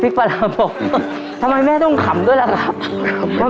ปลาร้าบอกทำไมแม่ต้องขำด้วยล่ะครับ